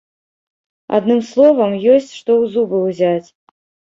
Адным словам, ёсць што ў зубы ўзяць.